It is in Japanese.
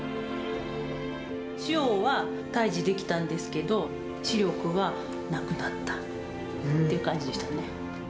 腫ようは退治できたんですけど、視力はなくなったっていう感じでしたね。